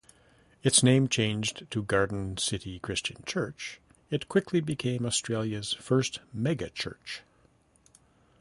Its name changed to Garden City Christian Church, it quickly became Australia's first megachurch.